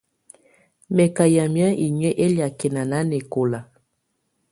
Mɛ̀ kà yamɛ̀́á inyǝ́ ɛliakɛna nanɛkɔ̀la.